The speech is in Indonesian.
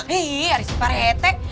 nih ada si pak rete